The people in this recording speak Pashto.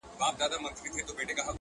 ستا د ښايستو سترگو له شرمه آئينه ماتېږي;